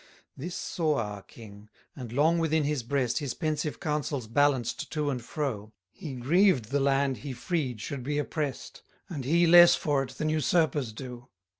10 This saw our King; and long within his breast His pensive counsels balanced to and fro: He grieved the land he freed should be oppress'd, And he less for it than usurpers do.